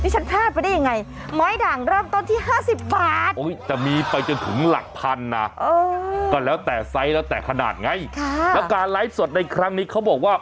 จะมีไปจนถึงหลักพันนะแล้วแต่ไซส์แล้วแต่ขนาดไงแล้วการไลฟ์สดในครั้งนี้เขาบอกว่า